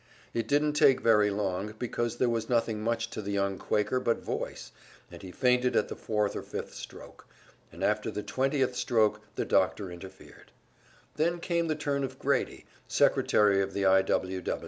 It didn't take very long, because there was nothing much to the young Quaker but voice, and he fainted at the fourth or fifth stroke, and after the twentieth stroke the doctor interfered. Then came the turn of Grady, secretary of the I. W.